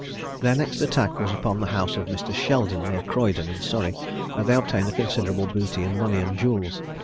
Their next attack was upon the house of Mr. Shelden, near Croydon, in Surrey, where they obtained a considerable booty in money and jewels.